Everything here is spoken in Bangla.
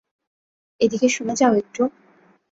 এদিকে শুনে যাও একটু।